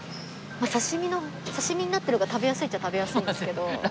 刺し身の刺し身になってる方が食べやすいっちゃ食べやすいんですけど。